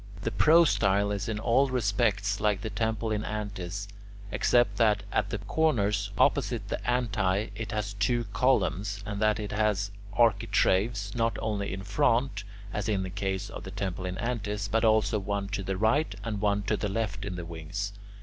The prostyle is in all respects like the temple in antis, except that at the corners, opposite the antae, it has two columns, and that it has architraves not only in front, as in the case of the temple in antis, but also one to the right and one to the left in the wings.